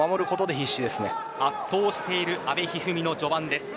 圧倒している阿部一二三の序盤です。